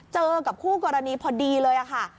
เจอกับคู่กรณีพอดีเลยค่ะ